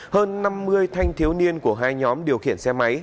hơn năm mươi thanh thiếu niên của hai nhóm điều khiển xe máy